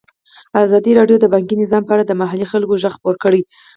ازادي راډیو د بانکي نظام په اړه د محلي خلکو غږ خپور کړی.